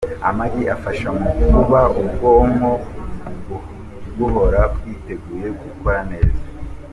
Amagi afasha mu kuba ubwonko buhora bwiteguye gukora neza.